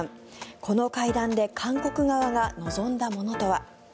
この会談で韓国側が望んだものとは。